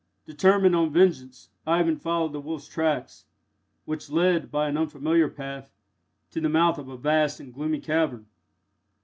Determined on vengeance, Ivan followed the wolf's tracks, which led, by an unfamiliar path, to the mouth of a vast and gloomy cavern.